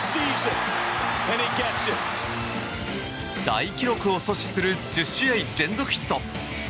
大記録を阻止する１０試合連続ヒット。